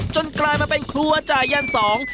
จนกลายมาเป็นครัวจ้ายันทร์๒